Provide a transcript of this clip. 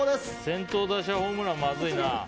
先頭打者ホームランはまずいな。